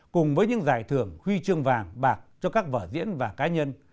cùng với những giải thưởng huy chương vàng bạc cho các vở diễn và cá nhân